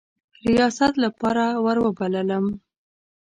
ریاست لپاره وروبللم.